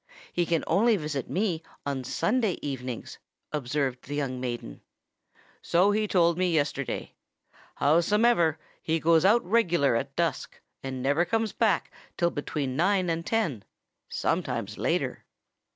"He can only visit me on Sunday evenings," observed the young maiden. "So he told me yesterday. Howsumever, he goes out regular at dusk, and never comes back till between nine and ten—sometimes later."